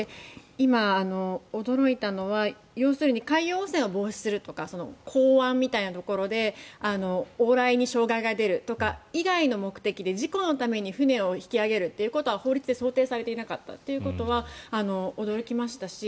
今、驚いたのは要するに海洋汚染を防止するとか港湾みたいなところで往来に障害が出るとか以外の目的で事故のために船を引き揚げるということは法律で想定されていなかったということは驚きましたし。